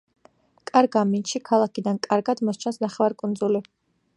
კარგ ამინდში, ქალაქიდან კარგად მოსჩანს ნახევარკუნძული.